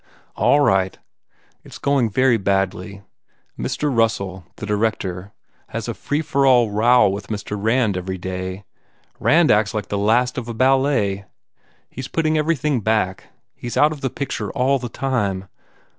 "All right. It s going very badly. Mr. Russell, the director, has a free for all row with Mr. Rand every day. Rand acts like the last of a ballet. He s putting everything back. He s out of the picture all the time.